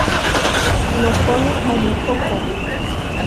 Nokone omokokok.